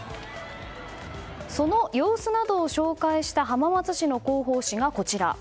その様子などを紹介した浜松市の広報誌が、こちら。